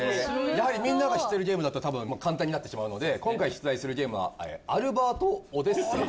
みんなが知ってるゲームだったら多分簡単になってしまうので今回出題するゲームは『アルバートオデッセイ』。